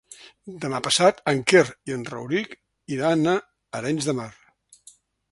Demà passat en Quer i en Rauric iran a Arenys de Mar.